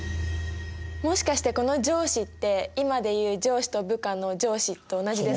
もしかしてこの上司って今でいう「上司と部下」の上司と同じですか？